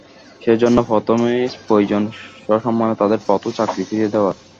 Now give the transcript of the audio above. সে জন্য প্রথমেই প্রয়োজন সসম্মানে তাঁদের পদ ও চাকরি ফিরিয়ে দেওয়া।